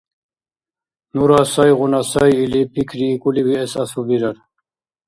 Нура сайгъуна сай или пикриикӀули виэс асубирар.